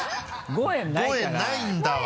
５円ないんだわ。